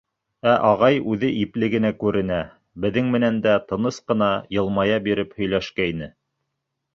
Ә ағай үҙе ипле генә күренә, беҙҙең менән дә тыныс ҡына, йылмая биреп һөйләшкәйне.